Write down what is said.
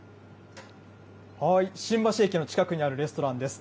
新橋駅の近くにあるレストランです。